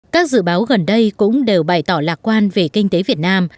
các dự báo gần đây cũng đều bày tỏ lạc quan về kinh tế việt nam